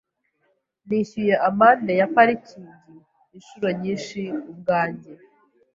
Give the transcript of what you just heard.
Nishyuye amande ya parikingi inshuro nyinshi ubwanjye.